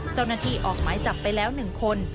เจ้าหน้าที่ออกหมายจับไปแล้ว๑คน